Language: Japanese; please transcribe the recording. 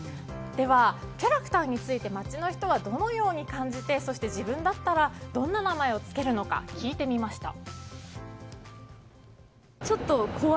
では、キャラクターについて街の人はどのように感じて自分だったらどんな名前を付けるのか聞いてみました。